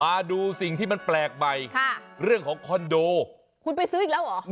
มาดูสิ่งที่มันแปลกใหม่ค่ะเรื่องของคอนโดคุณไปซื้ออีกแล้วเหรอ